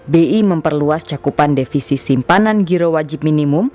bi memperluas cakupan defisi simpanan giro wajib minimum